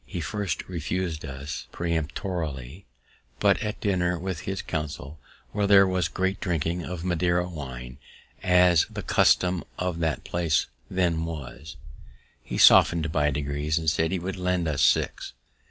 He at first refus'd us peremptorily; but at dinner with his council, where there was great drinking of Madeira wine, as the custom of that place then was, he softened by degrees, and said he would lend us six.